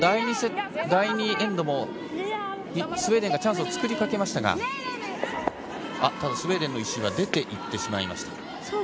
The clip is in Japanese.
第２エンドもスウェーデンがチャンスを作りかけましたが、ただスウェーデンの石が出て行ってしまいました。